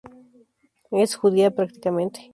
Es judía practicante.